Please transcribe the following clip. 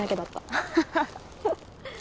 アハハハ。